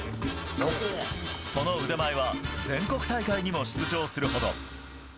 その腕前は全国大会にも出場するほど。